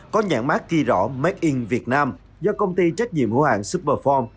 có nhãn mát ghi rõ made in vietnam do công ty trách nhiệm hữu hạn superfarm